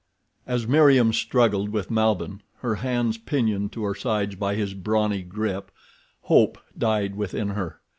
As Meriem struggled with Malbihn, her hands pinioned to her sides by his brawny grip, hope died within her.